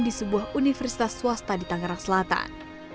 di sebuah universitas swasta di tangerang selatan